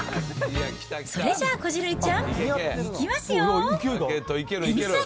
それじゃあ、こじるりちゃん、いきますよー。